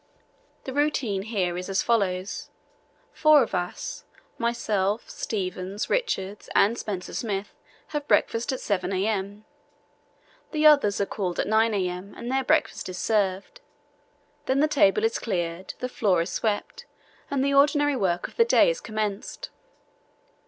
"The routine here is as follows: Four of us, myself, Stevens, Richards, and Spencer Smith, have breakfast at 7 a.m. The others are called at 9 a.m., and their breakfast is served. Then the table is cleared, the floor is swept, and the ordinary work of the day is commenced.